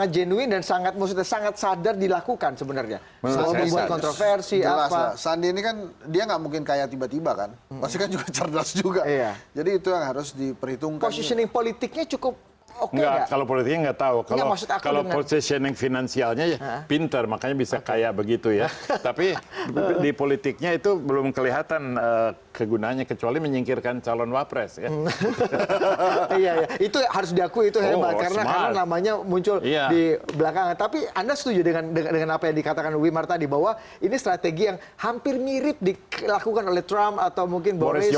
jokowi dan sandi